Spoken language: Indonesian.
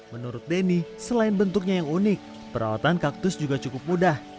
menurut denny selain bentuknya yang unik perawatan kaktus juga cukup mudah